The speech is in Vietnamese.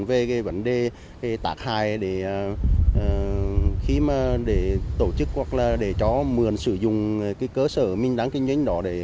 về cái vấn đề tạc hại để tổ chức hoặc là để cho mượn sử dụng cái cơ sở minh đáng kinh doanh đó